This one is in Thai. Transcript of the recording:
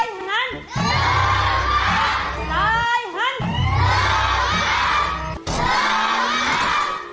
ลูกค้า